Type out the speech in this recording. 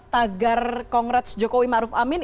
tagar kongres jokowi maruf amin